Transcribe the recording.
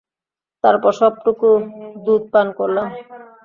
তারপর সবটুকু দুধপান করলাম।